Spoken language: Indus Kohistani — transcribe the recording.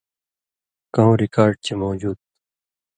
کؤں رِکارڈ چے موجُود تُھو